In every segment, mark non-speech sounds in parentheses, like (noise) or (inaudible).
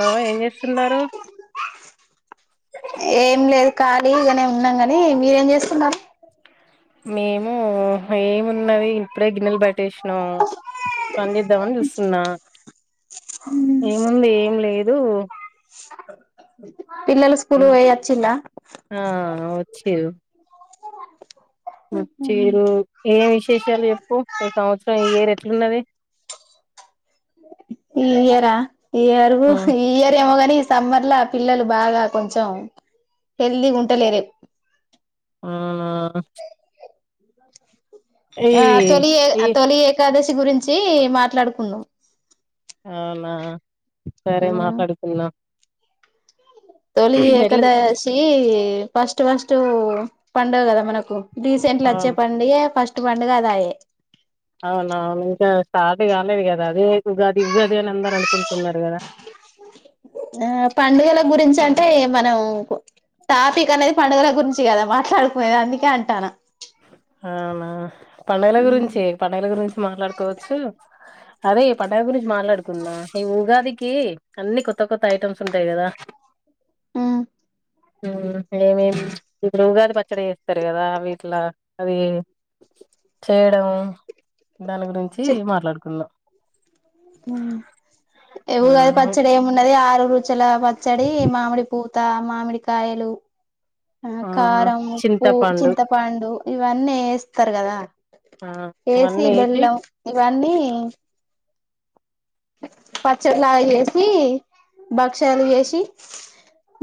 Hello ఏం చేస్తున్నారు ఏం లేదు కానీ ఉగానే ఉన్నాం గాని మీరేం చేస్తున్నారు మేము ఏమున్నది ఇప్పుడే గిన్నెలు పెట్టేసినాం పని చేేద్దామని చూస్తున్నా ఏముంది ఏం లేదు పిల్లలు స్కూలు పోయి వచ్చిండ్లా చె చ్చీరు ఏం విశేషాలు చెప్పు ఈ సంవత్సరం ఏ రెట్లున్నది ఇ ఎరా ఈరు ఉమ్ ఏ ఇయర్ అనీ సమ్మర్ పిల్లలు బాగా కొంచెం హెల్తీగా ఉండలేరే అవునా ఈ ఆ తోలి ఈ తొలి ఏకాదశి ట్రిప్ గురించి మాట్లాడుకున్నాం అవునా సరే మాట్లాడుతున్నా తొలి ఏకాదశి ఫస్ట్ ఫస్ట్ పండుగ కదా మనకు రీసెంట్లు అవును చేప్పండి ఫస్ట్ ఫస్ట్ పండుగ ఆదాయే అవునావును ఇంకా సాది కాలేదు కదా అది ఉగాది ఉగాది అని అందరూ అనుకుంటున్నారు కదా ఆ పండుగల గురించి అంటే మనం టాపిక్ అనేది పండుగల గురించి కదా మాట్లాడుకునేది అందుకే అంటాన్న అవునా ఉమ్ పండుగులగురించి పండుగుల గురించి మాట్లాడుకోవచ్చు అదే ఈ పండుగ గురించి మాట్లాడుకుంద ఈ ఉగాదికి అన్ని కొత్త కొత్త ఐటమ్స్ ఉంటాయి కదా హు ఏమేమీ ఇప్పుడు ఉగాది పచ్చడి చేస్తారు కదా వీట్లా అవి చేయడం దాని గురించి మాట్లాడుకుందాం ఉగాది ఉమ్, పచ్చడి ఏమున్నది ఆరు రు (unintelligible) పచ్చడి మామిడి పూత మామిడి కాయలు ఆ కారం, ఉప్పు, చింతపండు చింతపండు ఇవన్నీ ఏస్తారు కదా ఆ ఏసి అవన్నీ వేసి బెల్లం రన్నీ పచ్చడిలా వేసి భక్షాలు జేసి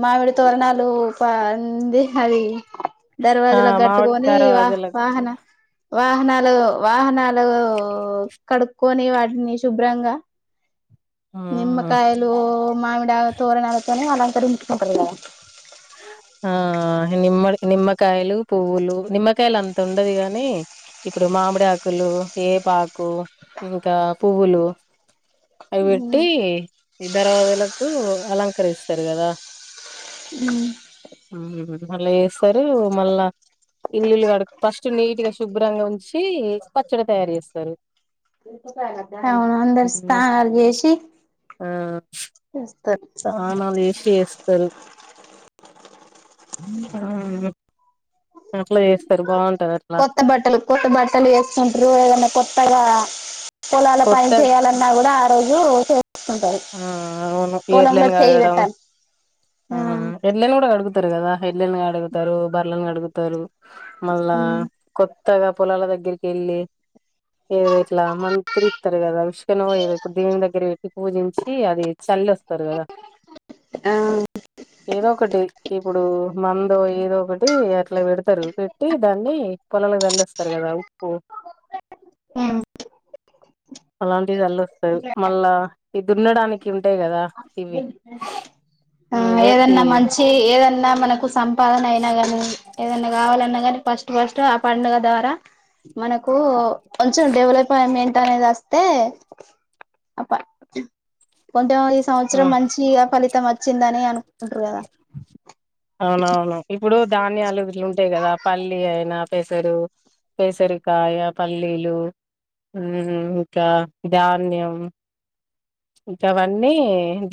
మామిడి తోరణాలు పంది అది ఆ దర్వాజులో మామిడి కట్టుకొని కారం వా అజలకు వాహన వాహనాలు వాహనాలూ కడుక్కొని వాటిని శుభ్రంగా ఆ నిమ్మకాయలూ మామిడా తోరణాలతోనే అలా (unintelligible) నిమ్మ నిమ్మకాయలు పువ్వులు నిమ్మకాయలు అంత ఉండదు గాని ఇప్పుడు మామిడి ఆకులు వేపాకు ఇంకా పువ్వులు అవి పెట్టి (unintelligible) అలంకరిస్త (unintelligible) గాదా హు మళ్ళీ స్తారు మళ్ళా ఇల్లులు కడు ఫస్ట్ నీట్ గా శుభ్రంగా ఉంచి పచ్చడి తయారు చేస్తారు అవును అందరు హ్మ్. స్నానాలు చేసి వస్తారు దానాలేసి జేస్తరు అ అట్లా చేస్తారు బావుంటదట్లా. కొత్త బట్టలు కొత్త బట్టలు వేస్తుంటరుఏదన్నా కొత్త (inaudible) పొలాల పని చేయాలన్న కూడ ఆ రోజు చేసుకుంటారు హ అవును పొలంలో ఎడ్లన్ చేయి కడగడం పెట్టాలి ఎడ్లన్ కూడా కడుగు త్తర్ కదా హడ్ళలను కడుగుతారు బర్రలను కడుగుతారు మళ్ళా ఆ కొత్ త్తగా పొలాల దగ్గరికి వెళ్ళి ఏదో ఇట్లా మంత్రి ఇస్తారు కదా విష్కనేయ ఇప్పుడు దేవుని దగ్గర పెట్టి పూజించ ఛీ అది చల్లోస్తరు కదా ఆ ఏదో ఒకటి ఇప్పుడు మంద ఏదో ఒకటి అట్ల పెడతారు పెట్టి దాన్ని కొలాల గల్సె స్తారు కదా ఉప్పు మ్ పలాల్ ఇది అల్లోస్తది మళ్ళా ఇ దున్నడానికి ఉంటాయి కదా ఇవి అ అవే ఈ ఏదన్నా మంచి ఏదన్న మనకు సం పాలన అయినా గానీ ఏదన్న గావాలన్నా కానీ ఫస్ట్ ఫస్ట్ ఆ పడుగ ద్వారా మనకూ కొంచెం డె వాలపైమెంట్ అనేది వస్తే కొంత ఆ సంవత్సరం మంచిగా ఇగ ఫలిత తం వచ్చిందని అను అవునవును ఇప్పుడు ధాన్యాలు ఇవి ఉంటయి కదా పల్లి అయిన పెసరు పెసరికాయ పల్లీలు మ్ ఇంక ధాన్యం ఇంకవన్నీ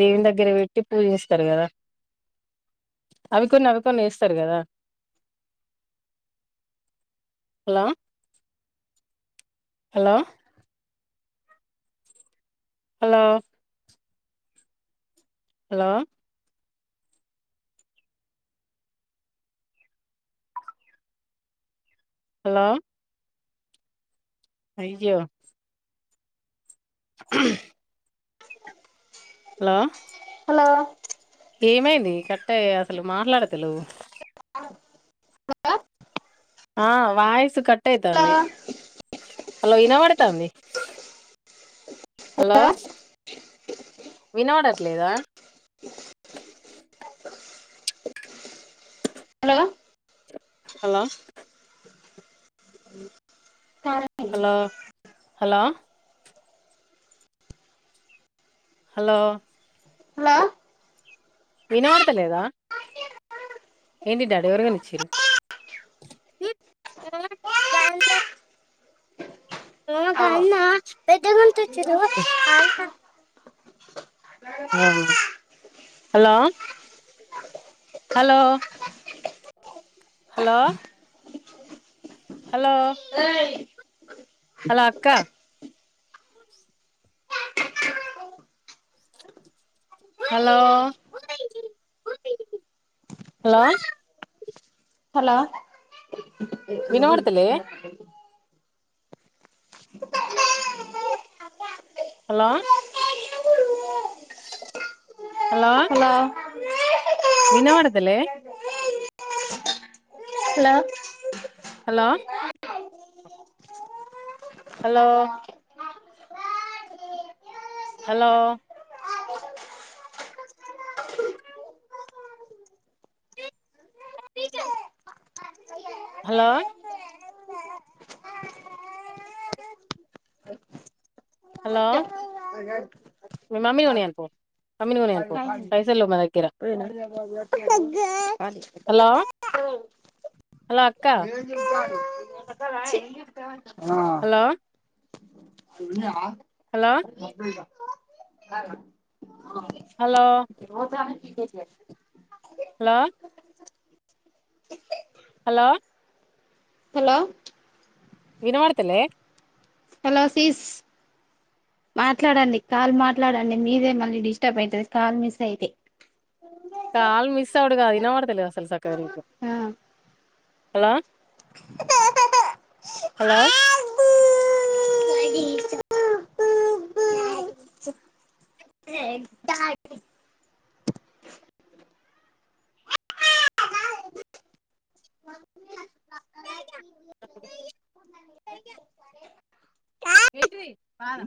దేవుని దగ్గర పెట్టి పూజ చేస్తారు కదా అవి కొన్ని అవి కొన్ని వేస్తారు కదా హలో హలొ హలో హలో హలోయ్ అయ్యో ఉహు హలో లో ఏమైంది కట్టే అసలు మాట్లాడతలెవ్ ఆ వాయసు కట్ హలో ట్టయితాంది హలో ఇనవాడుతాంది హలో వినవడట్లేదా hello hello hello hello hello వినవడత లేదా ఏంటి డాడీ ఎవరుకొనిచ్చిరు hello hello hello hello hello అక్క హలో హలో హలో హలో వినబడతలే హలో హలో వినబడతలే hello hello hello hello (unintelligible) hello hello మీ మమ్ిన ఉని అనుపోవ మమ్ని ఉని అను పోవ కైసల్లో మదక్కరా అగ హలో అక్క (unintelligible) ఛీ ఆ hello yeah hello hello hello hello hello వినవడతలే హలో సీస్ మాట్లాడండి కాల్ మాట్లాడండి మీదే మళ్ళీ డిస్టర్బ్ అయితది కాల్ మిస్ అయితే కాల్ మిస్ అవుడుగా ఇనవాడతా లే అసలు సక్కగా నీకూ ఆ హలో హలో ఏంటి పాల